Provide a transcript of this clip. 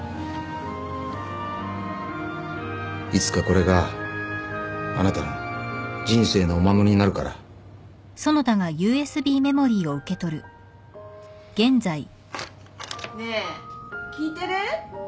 いつかこれがあなたの人生のお守りになるからねえ聞いてる？